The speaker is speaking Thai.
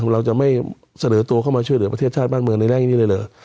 เราจะไม่เสนอตัวเข้ามาช่วยเหลือประเทศชาติบ้านเมืองในแรงนี้เลยเหรอ